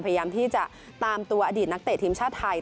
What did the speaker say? พยายามที่จะตามตัวอดีตนักเตะทีมชาติไทย